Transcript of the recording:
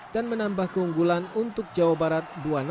dan menambah keunggulan untuk jawa barat dua